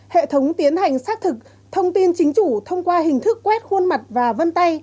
hệ thống tiến hành xác thực thông tin chính chủ thông qua hình thức quét khuôn mặt và vân tay